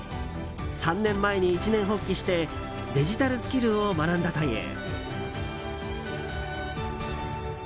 ３年前に一念発起してデジタルスキルを学んだという。